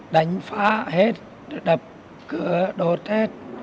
đánh phá hết đập cửa đột hết